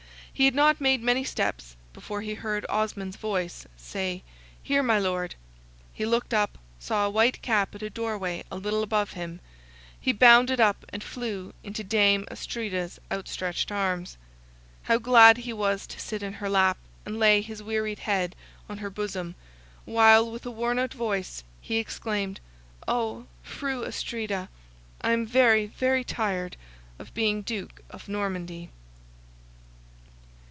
He had not made many steps before he heard Osmond's voice say, "Here, my Lord;" he looked up, saw a white cap at a doorway a little above him, he bounded up and flew into Dame Astrida's outstretched arms. How glad he was to sit in her lap, and lay his wearied head on her bosom, while, with a worn out voice, he exclaimed, "Oh, Fru Astrida! I am very, very tired of being Duke of Normandy!"